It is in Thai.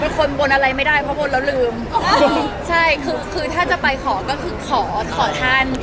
ผมเป็นคนบนอะไรไม่ได้เพราะบนเราลืมถ้าจะไปขอคือขอท่าน